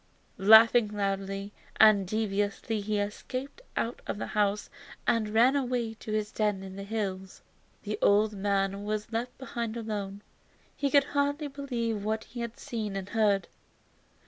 Laughing loudly and derisively he escaped out of the house and ran away to his den in the hills. The old man was left behind alone. He could hardly believe what he had seen and heard.